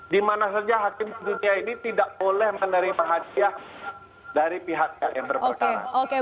dimana saja hakim dunia ini tidak boleh menerima hadiah dari pihak yang berperkara